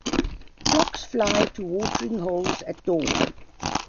Flocks fly to watering holes at dawn.